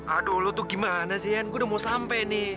aduh lo tuh gimana sih en gua udah mau sampai